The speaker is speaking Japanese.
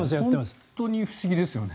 本当に不思議ですよね。